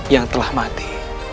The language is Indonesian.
yang telah mati